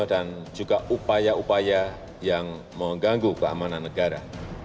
dan juga upaya upaya yang mengganggu keamanan negara